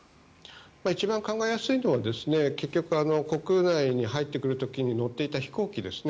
一番考えやすいのは結局国内に入ってくる時に乗っていた飛行機ですね。